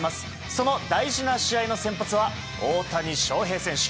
その大事な試合の先発は大谷翔平選手。